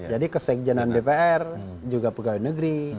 jadi kesejenan dpr juga pegawai negeri